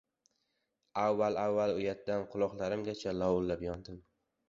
Avval-avval uyatdan quloqlarimgacha lovullab yondim.